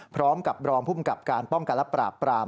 พร้อมกับรองภูมิกับการป้องกันและปราบปราม